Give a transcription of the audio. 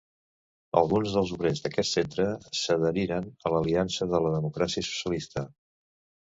Alguns dels obrers d'aquest centre s'adheriren a l'Aliança de la Democràcia Socialista.